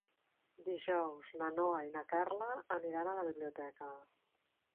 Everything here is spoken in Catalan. Dijous na Noa i na Carla aniran a la biblioteca.